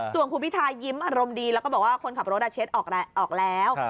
ส่วนคุณพิทายิ้มอารมณ์ดีแล้วก็บอกว่าคนขับรถเช็ดออกแล้ว